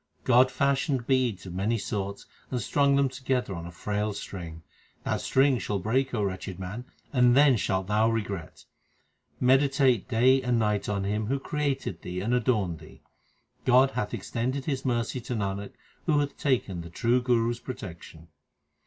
God fashioned beads 1 of many sorts and strung them together on a frail string. 2 That string shall break, O wretched man, and then shalt thou regret. Meditate day and night on Him who created thee and adorned thee. 1 Human beings. 2 Life. 352 THE SIKH RELIGION God hath extended His mercy to Nanak who hath taken the true Guru s protection.